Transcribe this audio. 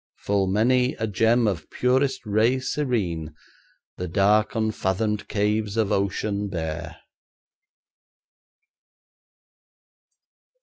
Full many a gem of purest ray serene, The dark unfathomed caves of ocean bear.